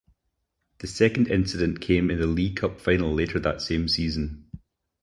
The second incident came in the League Cup final later that same season.